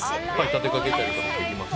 立てかけたりする事もできますし。